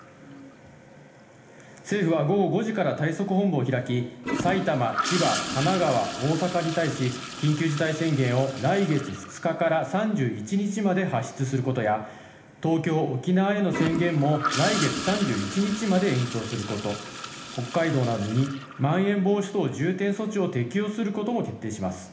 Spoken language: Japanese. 政府は午後５時から対策本部を開き、埼玉、千葉、神奈川、大阪に対し、緊急事態宣言を来月２日から３１日まで発出することや、東京、沖縄への宣言も、来月３１日まで延長すること、北海道などにまん延防止等重点措置を適用することも決定します。